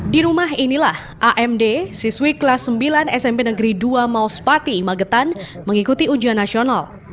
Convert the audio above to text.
di rumah inilah amd siswi kelas sembilan smp negeri dua mauspati magetan mengikuti ujian nasional